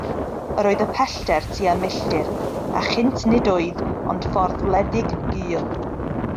Yr oedd y pellter tua milltir, a chynt nid oedd ond ffordd wledig, gul.